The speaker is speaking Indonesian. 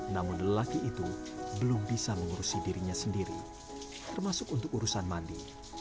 namun lelaki itu belum bisa mengurusi dirinya sendiri termasuk untuk urusan mandi